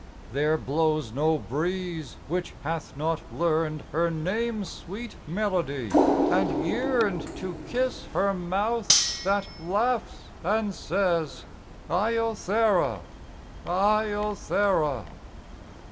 There blows no breeze which hath not learned Her name's sweet melody, and yearned To kiss her mouth that laughs and says, "Iothera, Iothera."